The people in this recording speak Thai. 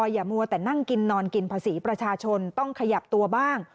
อย่ามัวแต่นั่งกินนอนกินภาษีประชาชนต้องขยับตัวบ้าง